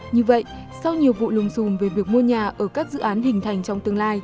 như vậy sau nhiều vụ lùng xùm về việc mua nhà ở các dự án hình thành trong tương lai